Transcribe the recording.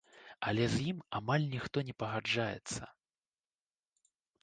Але з ім амаль ніхто не пагаджаецца.